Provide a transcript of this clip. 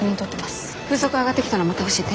風速上がってきたらまた教えて。